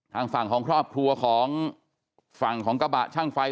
ทางฝั่งของครอบครัวของฝั่งของกระบะช่างไฟ